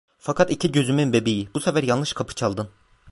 Fakat iki gözümün bebeği, bu sefer yanlış kapı çaldın.